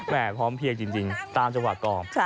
แม่พร้อมเพียงจริงตามจังหวะกอง